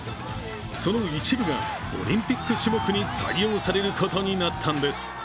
その一部がオリンピック種目に採用されることになったんです。